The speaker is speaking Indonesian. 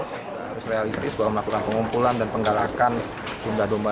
kita harus realistis bahwa melakukan pengumpulan dan penggalakan jumlah domba